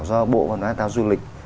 do bộ phòng đoàn an toàn du lịch